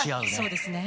そうですね。